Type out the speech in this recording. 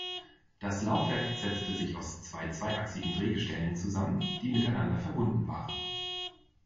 Das Laufwerk setzte sich aus zwei zweiachsigen Drehgestellen zusammen, die miteinander verbunden waren.